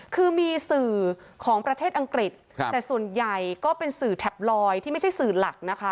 คือมีสื่อของประเทศอังกฤษแต่ส่วนใหญ่ก็เป็นสื่อแถบลอยที่ไม่ใช่สื่อหลักนะคะ